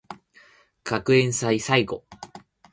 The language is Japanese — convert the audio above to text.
学園祭最後